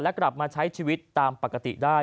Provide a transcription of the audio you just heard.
และกลับมาใช้ชีวิตตามปกติได้